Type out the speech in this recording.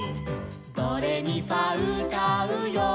「ドレミファうたうよ」